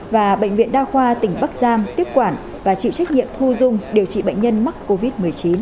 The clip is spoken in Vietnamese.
và bệnh viện đa khoa tỉnh bắc giang tiếp quản và chịu trách nhiệm thu dung điều trị bệnh nhân mắc covid một mươi chín